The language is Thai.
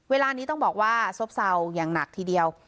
เวลานี้ต้องบอกว่าซบเศร้าอย่างหนักทีเดียว